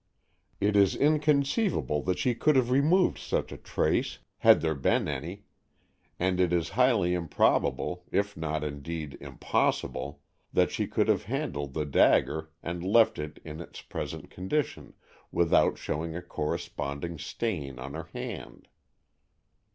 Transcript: It is inconceivable that she could have removed such a trace, had there been any, and it is highly improbable, if not indeed impossible, that she could have handled the dagger and left it in its present condition, without showing a corresponding stain on her hand."